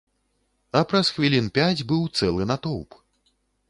А праз хвілін пяць быў цэлы натоўп.